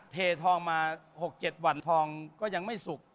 เททองมา๖๗วันทองก็ยังไม่สุก